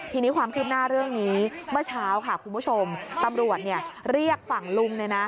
ตำรวจนี่เรียกฝั่งลุงนี่นะ